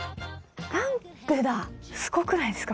ランプだすごくないですか？